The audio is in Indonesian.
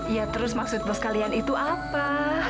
ya terus maksud bos kalian itu apa